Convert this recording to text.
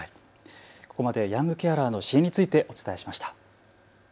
ここまでヤングケアラーの支援についてお伝えしました。